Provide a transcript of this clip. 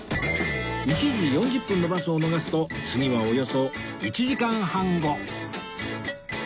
１時４０分のバスを逃すと次はおよそ１時間半後